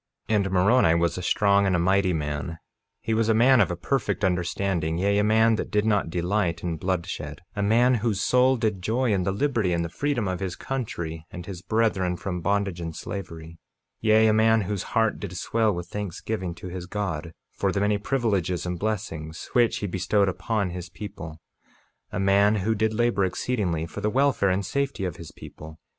48:11 And Moroni was a strong and a mighty man; he was a man of a perfect understanding; yea, a man that did not delight in bloodshed; a man whose soul did joy in the liberty and the freedom of his country, and his brethren from bondage and slavery; 48:12 Yea, a man whose heart did swell with thanksgiving to his God, for the many privileges and blessings which he bestowed upon his people; a man who did labor exceedingly for the welfare and safety of his people.